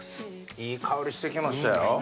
いい香りしてきましたよ。